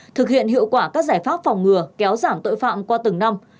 thực hiện hiệu quả các giải pháp phòng ngừa kéo giảm tội phạm qua từng năm